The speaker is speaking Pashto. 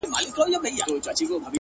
مخ ته مي لاس راوړه چي ومي نه خوري;